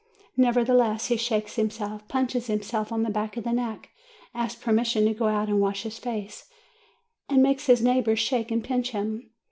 Neverthe less, he shakes himself, punches himself on the back of the neck, asks permission to go out and wash his face, and makes his neighbors shake and pinch him.